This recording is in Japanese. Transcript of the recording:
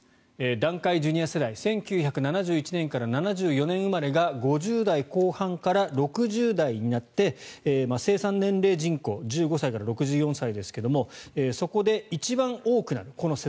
団塊ジュニア世代１９７１年から７４年生まれが５０代後半から６０代になって生産年齢人口１５歳から６４歳ですがそこで一番多くなる。